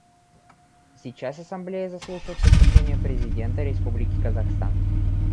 Сейчас Ассамблея заслушает выступление президента Республики Казахстан.